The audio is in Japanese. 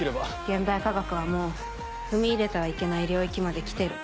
現代科学はもう踏み入れてはいけない領域まで来てる。